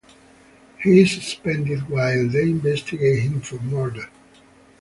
He is suspended while they investigate him for murder.